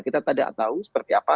kita tidak tahu seperti apa